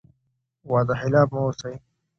وعده خلاف مه اوسئ.